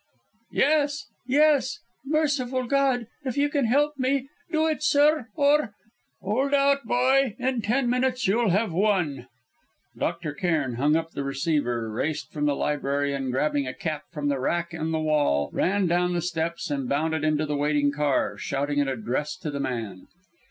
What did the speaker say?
"Yes! yes! Merciful God! if you can help me, do it, sir, or " "Hold out, boy! In ten minutes you'll have won." Dr. Cairn hung up the receiver, raced from the library, and grabbing a cap from the rack in the hall, ran down the steps and bounded into the waiting car, shouting an address to the man.